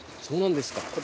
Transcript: そうなんですか。